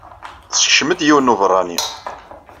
Tessekcem-d yiwen n ubeṛṛani.